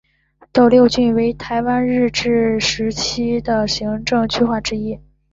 斗六郡为台湾日治时期的行政区划之一。